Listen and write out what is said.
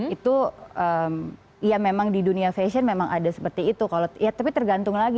itu ya memang di dunia fashion memang ada seperti itu kalau ya tapi tergantung lagi